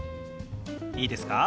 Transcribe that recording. いいですか？